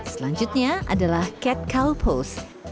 selanjutnya adalah cat cow pose